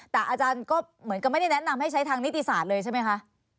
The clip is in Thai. แต่อาจารย์ก็เหมือนกับไม่ได้แนะนำให้ใช้ทางนิติศาสตร์เลยใช่ไหมคะ